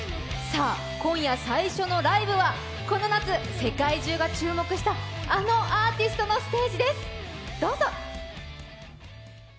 今夜最初のライブは、この夏世界中が注目したあのアーティストのステージですどうぞ！